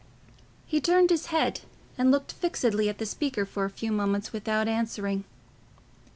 He turned his head and looked fixedly at the speaker for a few moments without answering.